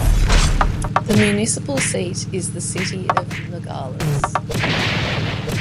The municipal seat is the city of Nogales.